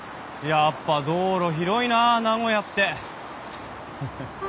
やっぱ道路広いなあ名古屋って。